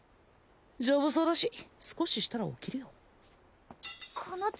丈夫そうだし少ししたら起きるよこの杖